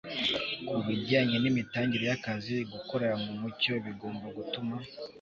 ku bijyanye n'imitangire y'akazi, gukorera mu mucyo bigomba gutuma